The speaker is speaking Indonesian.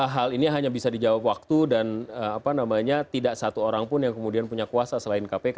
hal ini hanya bisa dijawab waktu dan tidak satu orang pun yang kemudian punya kuasa selain kpk